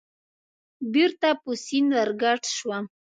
بېرته په سیند ورګډ شوم.